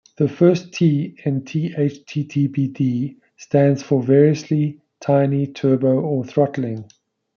The first "t" in thttpd stands for variously tiny, turbo, or throttling.